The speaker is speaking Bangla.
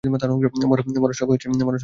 মরার শখ হয়েছে?